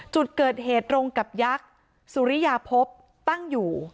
จุดเกิดเหตุตรงกับยักษ์สุริยาพบตั้งอยู่